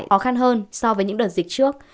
khó khăn hơn so với những đợt dịch trước